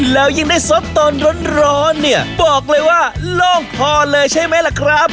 แล้วยิ่งได้สดตอนร้อนเนี่ยบอกเลยว่าโล่งคอเลยใช่ไหมล่ะครับ